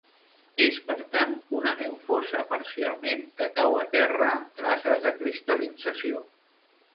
És per tant una neu fosa parcialment que cau a terra amb traces de cristal·lització.